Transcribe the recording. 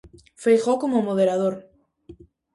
Feijóo como moderador.